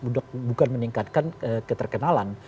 bukan meningkatkan keterkenalan